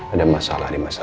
ada masalah di masa lalu